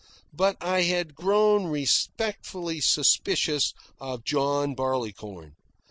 But I had grown respectfully suspicious of John Barleycorn.